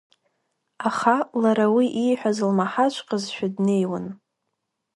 Аха лара уи ииҳәаз лмаҳаҵәҟьозшәа днеиуан.